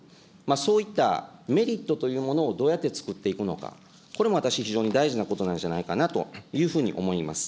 そういったメリットというものをどうやって作っていくのか、これも私、非常に大事なことなんじゃないかなというふうに思います。